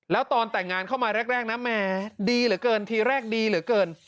แล้วตอนแต่งงานเข้ามาแรกนะแหมดีเหลือเกินทีแรกดีเหลือเกิน